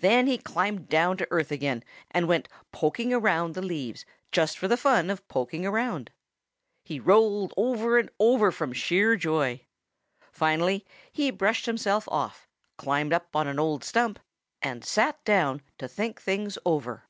Then he climbed down to earth again and went poking around among the leaves just for the fun of poking around. He rolled over and over from sheer joy. Finally he brushed himself off, climbed up on an old stump, and sat down to think things over.